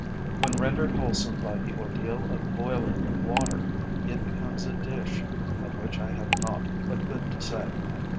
When rendered wholesome by the ordeal of boiling water, it becomes a dish of which I have naught but good to say.